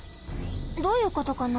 どういうことかな？